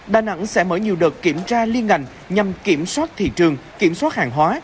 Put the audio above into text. đà nẵng sẽ mở nhiều đợt kiểm tra liên ngành nhằm kiểm soát thị trường kiểm soát hàng hóa